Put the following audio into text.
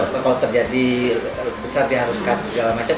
kalau terjadi besar diharuskan segala macam